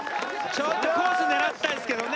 ちょっとコース狙ったんですけどね。